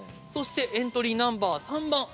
そしてエントリーナンバー３番。